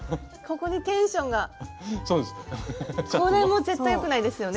これもう絶対よくないですよね。